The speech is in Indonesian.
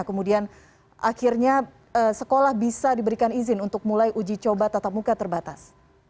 kemudian akhirnya sekolah bisa diberikan izin untuk mulai uji coba tatap muka terbatas